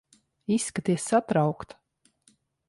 Izskaties satraukta.